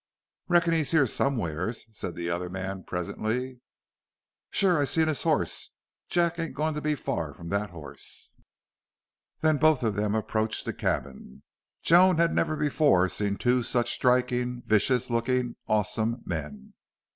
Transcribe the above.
"Reckon he's here somewheres," said the other man, presently. "Sure. I seen his hoss. Jack ain't goin' to be far from thet hoss." Then both of them approached the cabin. Joan had never before seen two such striking, vicious looking, awesome men.